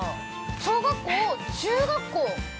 ◆小学校、中学校。